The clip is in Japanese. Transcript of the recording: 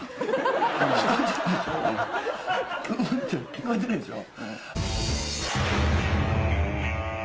聞こえてるでしょ。